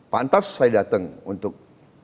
pantas saya datang untuk